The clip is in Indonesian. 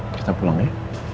kita pulang ya